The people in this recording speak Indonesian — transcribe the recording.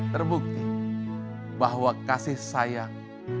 terbukti bahwa kasih sayang